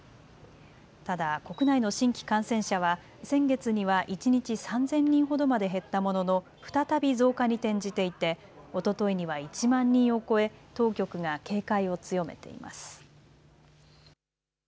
ただ国内の新規感染者は先月には一日３０００人ほどまで減ったものの再び増加に転じていておとといには１万人を超え当局が警戒を強めています。